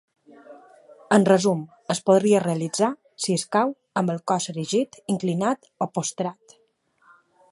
En resum, es podria realitzar, si escau, amb el cos erigit, inclinat o prostrat.